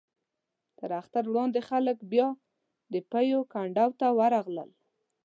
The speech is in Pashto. تر اختر وړاندې خلک بیا د پېوې کنډو ته ورغلل.